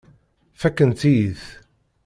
Fakkent-iyi-t.